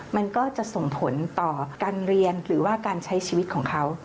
มันก็จะส่งผลต่อการเรียนหรือว่าการใช้ชีวิตของเขา